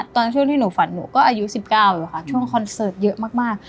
ตอนช่วงที่หนูฝันหนูก็อายุสิบเก้าหรอคะช่วงคอนเสิร์ตเยอะมากมาก